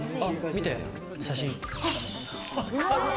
見て写真！